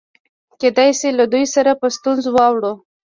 کېدای شي له دوی سره په ستونزه واوړو.